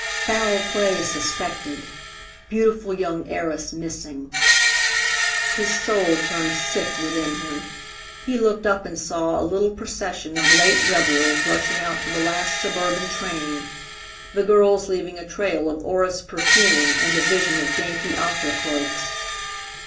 FOUL PLAY SUSPECTED! BEAUTIFUL YOUNG HEIRESS MISSING His soul turned sick within him. He looked up and saw a little procession of late revellers rushing out to the last suburban train, the girls leaving a trail of orris perfume and a vision of dainty opera cloaks.